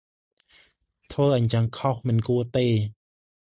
ធ្វើអញ្ចឹងខុស មិនគួរទេ ។